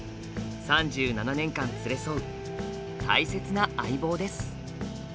３７年間連れ添う大切な相棒です。